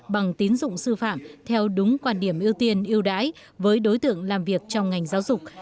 bằng tín dụng sư phạm theo đúng quan điểm ưu tiên yêu đãi với đối tượng làm việc trong ngành giáo dục